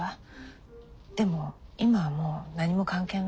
でも今はもう何も関係のない人よ。